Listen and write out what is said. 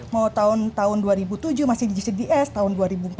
mau tahun dua ribu tujuh masih di gcds tahun dua ribu empat belas